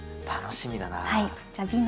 楽しみだなあ。